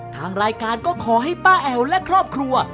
ทางรายการก็ขอให้ป้าแอ๋วและครอบครัว